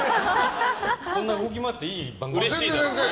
こんな動き回っていい番組なんですか。